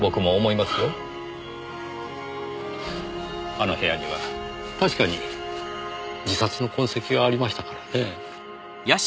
あの部屋には確かに自殺の痕跡がありましたからね。